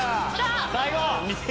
最後！